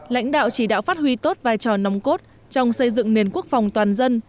lãnh đạo chỉ đạo phát huy tốt vai trò nóng cốt trong xây dựng nền quốc phòng toàn dân